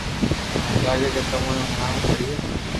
ميني لاگي ڪي تمو ني ھڻاوہ پڙئي